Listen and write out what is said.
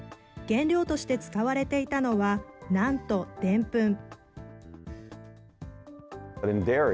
原料として使われていたのは、なんとデンプン。